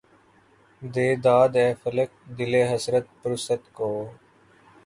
دے داد اے فلک! دلِ حسرت پرست کو